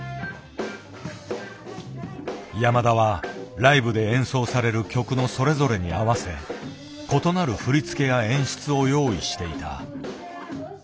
山田はライブで演奏される曲のそれぞれに合わせ異なる振り付けや演出を用意していた。